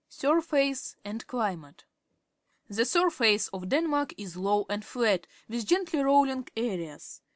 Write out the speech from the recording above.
Siirface and Climate. — The surface of Denmark is low and flat, with gently rolling areas.